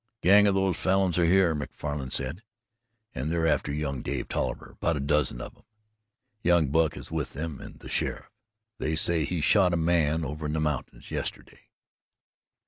"A gang of those Falins are here," Macfarlan said, "and they're after young Dave Tolliver about a dozen of 'em. Young Buck is with them, and the sheriff. They say he shot a man over the mountains yesterday."